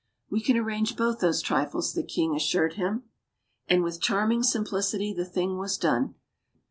"We can arrange both those trifles," the king as sured him. And, with charming simplicity, the thing was done.